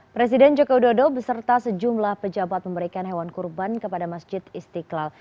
presiden joko widodo beserta sejumlah pejabat memberikan hewan kurban kepada masjid istiqlal